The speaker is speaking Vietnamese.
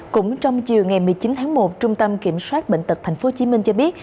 cũng trong chiều ngày một mươi chín tháng một trung tâm kiểm soát bệnh tật tp hcm cho biết